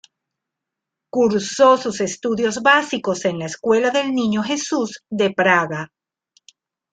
Cursó sus estudios básicos en la Escuela del Niño Jesús de Praga.